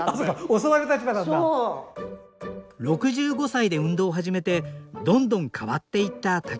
６５歳で運動を始めてどんどん変わっていったタキミカさん。